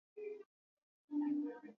wadogo au na bibi na babu kuwa